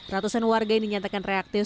ratusan warga yang dinyatakan reaktif